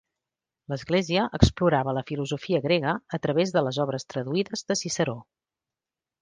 L'Església explorava la filosofia grega a través de les obres traduïdes de Ciceró.